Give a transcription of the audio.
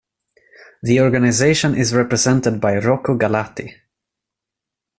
The organization is represented by Rocco Galati.